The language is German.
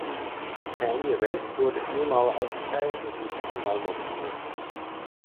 Kanye West wurde viermal ausgezeichnet und siebenmal nominiert.